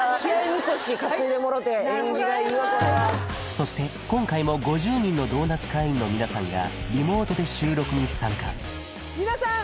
そして今回も５０人のドーナツ会員の皆さんがリモートで収録に参加皆さん！